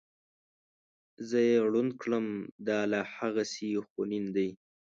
زه یې ړوند کړم دا لا هغسې خونین دی.